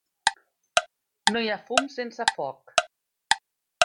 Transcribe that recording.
No hi ha fum sense foc.